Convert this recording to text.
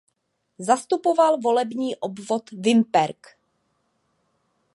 Zastupoval volební obvod Vimperk.